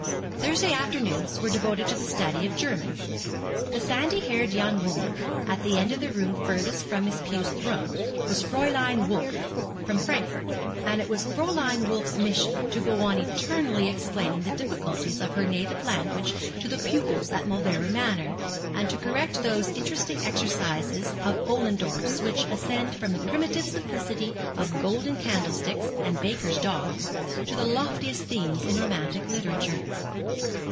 Thursday afternoons were devoted to the study of German. The sandy haired young woman at the end of the room furthest from Miss Pew's throne was Fräulein Wolf, from Frankfort, and it was Fräulein Wolf's mission to go on eternally explaining the difficulties of her native language to the pupils at Mauleverer Manor, and to correct those interesting exercises of Ollendorff's which ascend from the primitive simplicity of golden candlesticks and bakers' dogs, to the loftiest themes in romantic literature.